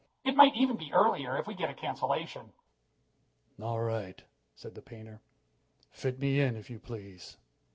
"It might even be earlier, if we get a cancellation." "All right," said the painter, "fit me in, if you please."